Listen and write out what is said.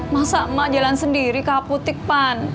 masa emak jalan sendiri ke apotik pan